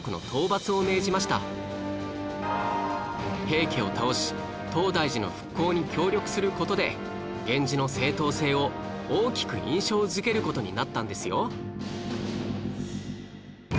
平家を倒し東大寺の復興に協力する事で源氏の正当性を大きく印象づける事になったんですよ